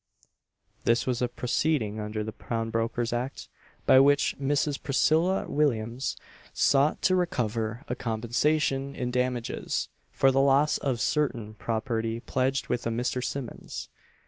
This was a proceeding under the Pawnbrokers' Act, by which Mrs. Priscilla Williams sought to recover a compensation in damages for the loss of certain property pledged with a Mr. Simmons.